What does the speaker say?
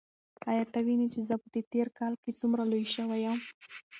ایا ته وینې چې زه په دې تېر کال کې څومره لوی شوی یم؟